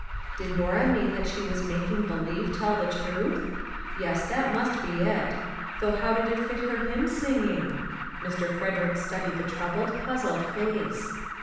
Did Norah mean that she was making believe tell the truth? Yes, that must be it; though how did it fit her hymn singing? Mr. Frederick studied the troubled, puzzled face.